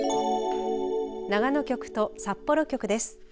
長野局と札幌局です。